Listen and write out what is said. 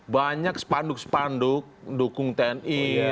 banyak spanduk spanduk dukung tni